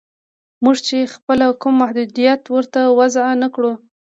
موږ چې خپله کوم محدودیت ورته وضع نه کړو